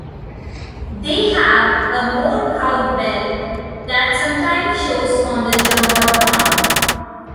They have a "more cowbell" that sometimes shows on the jumbotron.